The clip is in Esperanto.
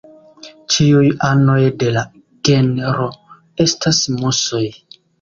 Ĉiuj anoj de la genro estas musoj.